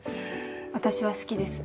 私は好きです。